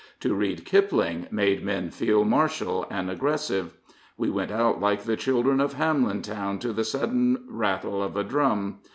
To read Kipling made men feel martial and aggressive. We went out like the children of Hamelin town to the sudden rattle of a drum.